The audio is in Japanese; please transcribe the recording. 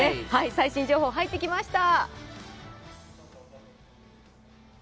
最新情報、入ってきました。